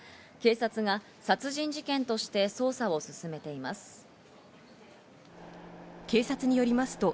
警察が殺人事件として捜査を進めています。